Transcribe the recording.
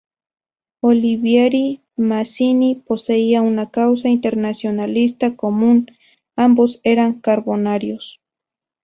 Olivieri y Mazzini poseían una causa internacionalista común: ambos eran carbonarios.